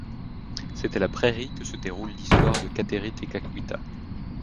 C'est à La Prairie que se déroule l'histoire de Kateri Tekakwitha.